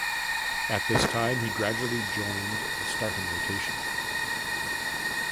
At this time, he gradually joined the starting rotation.